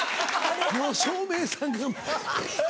もう照明さんが。